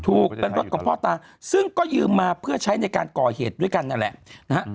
ถูกเป็นรถของพ่อตาซึ่งก็ยืมมาเพื่อใช้ในการก่อเหตุด้วยกันนั่นแหละนะฮะ